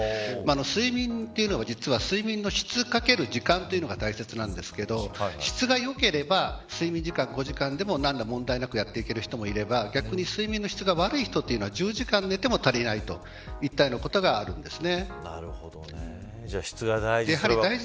睡眠というのは、実は睡眠の質×時間というのが大切なんですが質がよければ睡眠時間５時間でも何ら問題なくやっていける人もいれば逆に睡眠の質が悪い人というのは１０時間寝ても足りないことがあります。